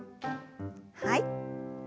はい。